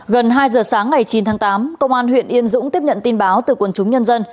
gần hai giờ sáng ngày chín tháng tám công an huyện yên dũng tiếp nhận tin báo từ quần chúng nhân dân